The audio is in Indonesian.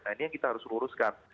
nah ini yang kita harus luruskan